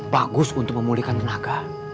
bagus untuk memulihkan tenaga